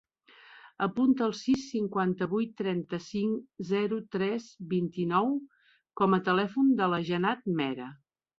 Apunta el sis, cinquanta-vuit, trenta-cinc, zero, tres, vint-i-nou com a telèfon de la Janat Mera.